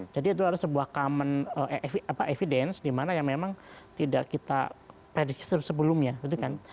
jadi itu adalah sebuah common evidence di mana yang memang tidak kita predikse sebelumnya